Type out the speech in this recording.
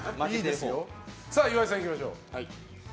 岩井さん、いきましょう。